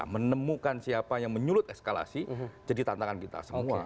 menemukan siapa yang menyulut eskalasi jadi tantangan kita semua